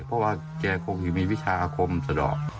เพราะว่าแกคงจะมีวิชาอาคมสะดอก